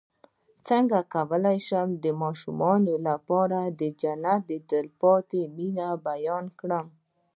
څنګه کولی شم د ماشومانو لپاره د جنت د تل پاتې مینې بیان کړم